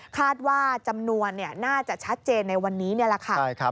คาดว่าจำนวนน่าจะชัดเจนในวันนี้นี่แหละค่ะ